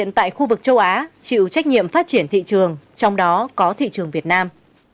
bất cứ giao dịch châu á chịu trách nhiệm phát triển thị trường trong đó có thị trường việt nam